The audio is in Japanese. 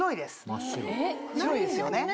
白いですよねはい。